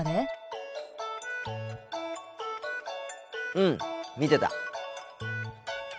うん見てた。